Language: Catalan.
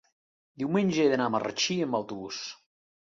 Diumenge he d'anar a Marratxí amb autobús.